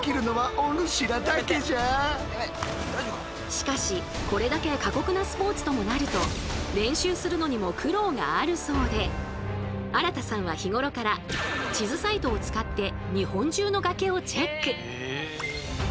しかしこれだけ過酷なスポーツともなると荒田さんは日頃から地図サイトを使って日本中の崖をチェック。